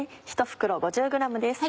１袋５０ｇです。